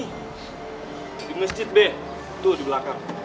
hai di masjid be tuh di belakang